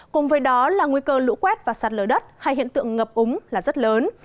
cùng với đó là nguy cơ lũ quét và sạt lở đất hay hiện tượng ngập úng là rất lớn